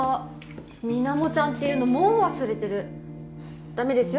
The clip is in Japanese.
「水面ちゃん」って言うのもう忘れてるダメですよ